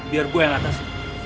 biar gue yang atas